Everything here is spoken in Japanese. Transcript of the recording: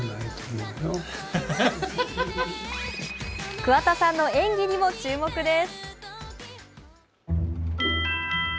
桑田さんの演技にも注目です。